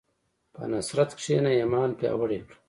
په نصرت کښېنه، ایمان پیاوړی کړه.